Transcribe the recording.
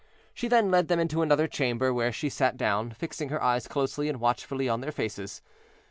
She then led them into another chamber, where she sat down, fixing her eyes closely and watchfully on their faces.